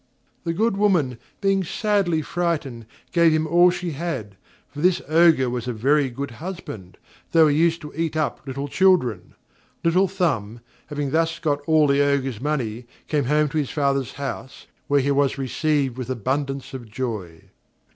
The good woman, being sadly frightened, gave him all she had: for this Ogre was a very good husband, tho' he used to eat up little children. Little Thumb, having thus got all the Ogre's money, came home to his father's house, where he was received with abundance of joy.